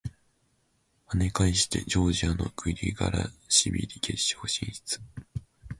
跳ね返してジョージアのグリガラシビリ決勝進出！